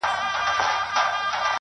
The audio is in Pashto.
پخپل خنجر پاره پاره دي کړمه,